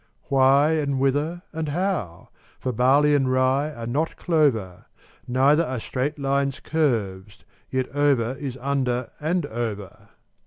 Why, and whither, and how? for barley and rye are not clover: Neither are straight lines curves: yet over is under and over.